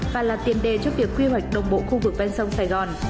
và là tiền đề cho việc quy hoạch đồng bộ khu vực ven sông sài gòn